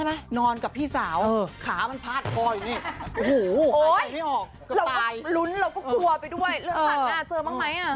เราก็รุ้นเราก็กลัวไปด้วยเรื่องผ่านห้าง่าเจอบ้างไหมอ่ะ